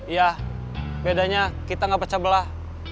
iya bedanya kita gak pecah belah